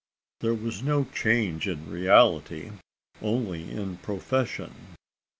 There was no change in reality, only in profession.